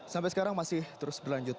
sampai sekarang masih terus berlanjut